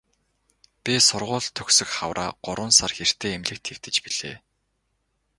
Би сургууль төгсөх хавраа гурван сар хэртэй эмнэлэгт хэвтэж билээ.